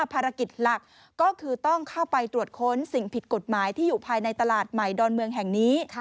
ภารกิจหลักก็คือต้องเข้าไปตรวจค้นสิ่งผิดกฎหมายที่อยู่ภายในตลาดใหม่ดอนเมืองแห่งนี้